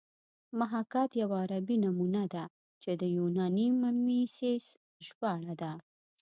محاکات یوه عربي نومونه ده چې د یوناني میمیسیس ژباړه ده